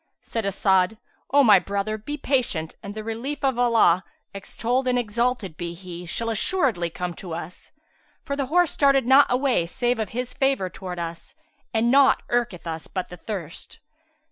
Said As'ad, "O my brother, be patient, and the relief of Allah (extolled and exalted be He!) shall assuredly come to us; for the horse started not away save of His favour towards us, and naught irketh us but this thirst."